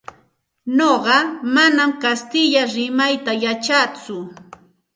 Nuqa manam kastilla rimayta yachatsu.